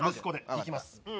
いきます。